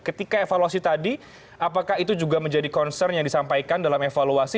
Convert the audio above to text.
ketika evaluasi tadi apakah itu juga menjadi concern yang disampaikan dalam evaluasi